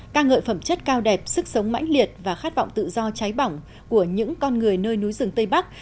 ca ngợi phẩm chất cao đẹp sức sống mãnh liệt và khát vọng tự do cháy bỏng của những con người nơi núi rừng tây bắc